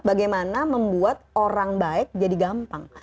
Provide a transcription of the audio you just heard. bagaimana membuat orang baik jadi gampang